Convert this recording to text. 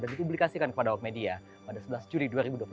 dan ditublikasikan kepada wok media pada sebelas juli dua ribu dua puluh tiga